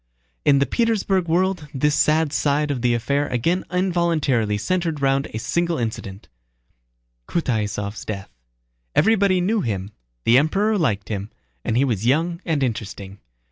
In the Petersburg world this sad side of the affair again involuntarily centered round a single incident: Kutáysov's death. Everybody knew him, the Emperor liked him, and he was young and interesting.